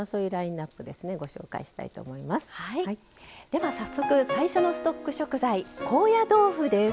では早速最初のストック食材高野豆腐です。